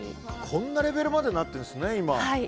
こんなレベルまでなってるんですね、今。